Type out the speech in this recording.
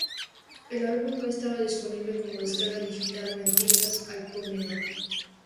El álbum no estaba disponible como descarga digital o en tiendas al por menor.